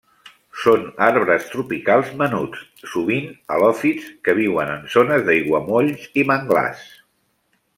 Són arbres tropicals menuts, sovint halòfits, que viuen en zones d'aiguamolls i manglars.